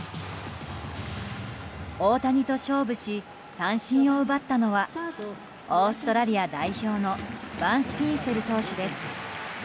大谷と勝負し三振を奪ったのはオーストラリア代表のバンスティーンセル投手です。